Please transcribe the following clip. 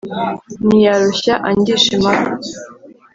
Ntiyarushya angisha impaka.